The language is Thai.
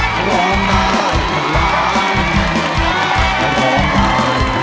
สวัสดีครับ